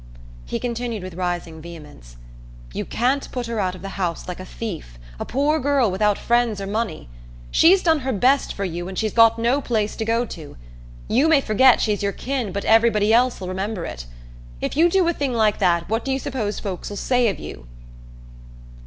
He continued with rising vehemence: "You can't put her out of the house like a thief a poor girl without friends or money. She's done her best for you and she's got no place to go to. You may forget she's your kin but everybody else'll remember it. If you do a thing like that what do you suppose folks'll say of you?"